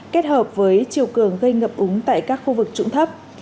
kết hợp với chiều cường gây ngập úng tại các khu vực trũng thấp